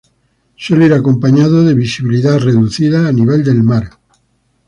Suele ir acompañado de visibilidad reducida a nivel del mar.